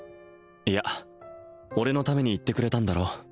いや俺のために言ってくれたんだろう